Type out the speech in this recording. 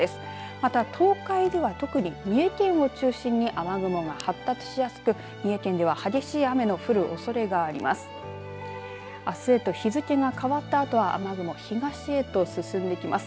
また東海では特に三重県を中心に雨雲が発達しやすく三重県では激しい雨の降るおそれがあります。